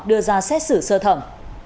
đưa ra xét xử sơ thẩm